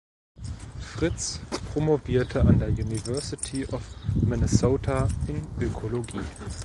Fritz promovierte an der University of Minnesota in Ökologie.